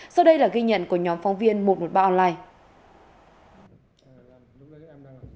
sau đây là ghi nhận của nhóm phóng viên một trăm một mươi ba online